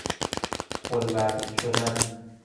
خل وضع شدن